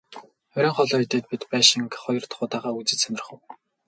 Оройн хоолоо идээд бид байшинг хоёр дахь удаагаа үзэж сонирхов.